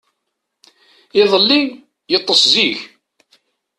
Iḍelli, yeṭṭes zik.